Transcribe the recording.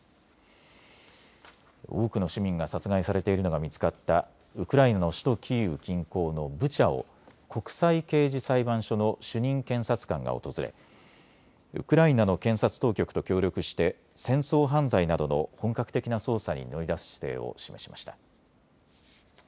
多くの市民が殺害されているのが見つかったウクライナの首都キーウ近郊のブチャを国際刑事裁判所の主任検察官が訪れ、ウクライナの検察当局と協力して戦争犯罪などの本格的な捜査に乗り出す姿勢を示しました。